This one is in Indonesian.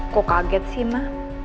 kok kaget sih ma